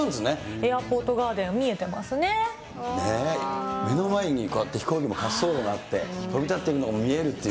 エアポートガーデン、見えて目の前にこうやって飛行機の滑走路があって、飛び立っていくのが見えるっていう。